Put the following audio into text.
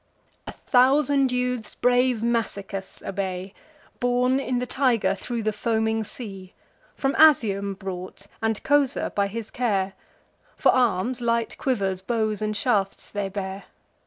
A thousand youths brave Massicus obey, Borne in the Tiger thro' the foaming sea; From Asium brought, and Cosa, by his care: For arms, light quivers, bows and shafts, they bear.